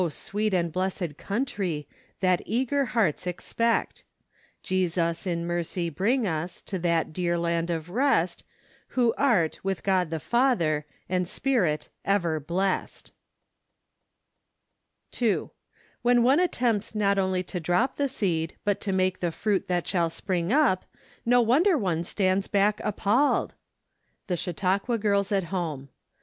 sweet and blessed Country , That eager hearts expect; Jesus , in mercy bring us To that dear land of rest; Who art , with God the Father , And Spirit , ever blest ." 2. When one attempts not only to drop the seed, but to make the fruit that shall spring up, no wonder one stands back appalled ! The Chautauqua Girls at Home.